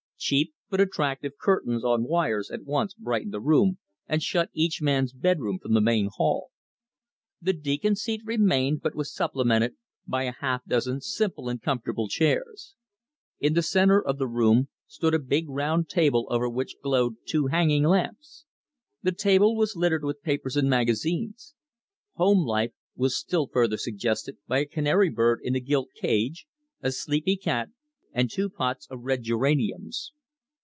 Cheap but attractive curtains on wires at once brightened the room and shut each man's "bedroom" from the main hall. The deacon seat remained but was supplemented by a half dozen simple and comfortable chairs. In the center of the room stood a big round table over which glowed two hanging lamps. The table was littered with papers and magazines. Home life was still further suggested by a canary bird in a gilt cage, a sleepy cat, and two pots of red geraniums.